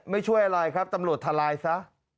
ช่วยอะไรครับตำรวจทลายซะ